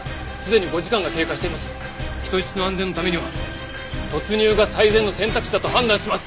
人質の安全のためには突入が最善の選択肢だと判断します！